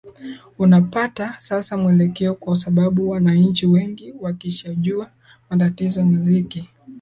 unapata sasa mwelekeo kwa sababu wananchi wengi wakishajua matatizo muziki